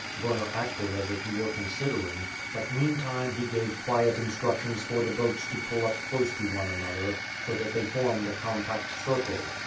Werner acted as if he were considering, but, meantime, he gave quiet instructions for the boats to pull up close to one another so that they formed a compact circle.